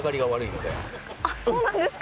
あっそうなんですか？